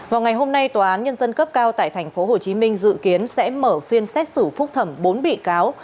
vào ngày hôm nay tòa án nhân dân cấp cao tại tp hcm dự kiến sẽ mở phiên xét xử phúc thẩm bốn bị cáo